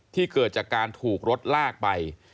เกิดจากการถูกรถลากไป